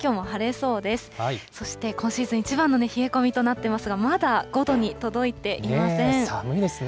そして今シーズン一番の冷え込みとなってますが、まだ５度に届い寒いですね。